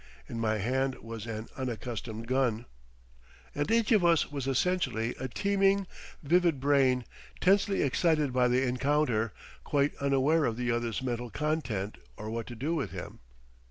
In my hand was an unaccustomed gun. And each of us was essentially a teeming, vivid brain, tensely excited by the encounter, quite unaware of the other's mental content or what to do with him.